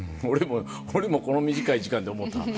俺もこの短い時間で思った。